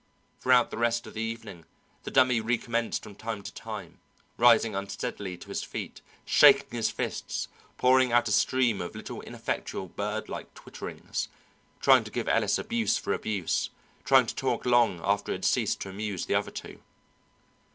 Throughout the rest of the evening the Dummy recommenced from time to time, rising unsteadily to his feet, shaking his fists, pouring out a stream of little ineffectual birdlike twitterings, trying to give Ellis abuse for abuse, trying to talk long after it had ceased to amuse the other two.